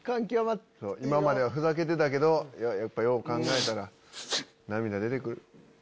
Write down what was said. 今まではふざけてたけどよう考えたら涙出て来る。